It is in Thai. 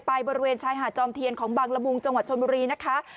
บริเวณชายหาดจอมเทียนของบังละมุงจังหวัดชนบุรีนะคะ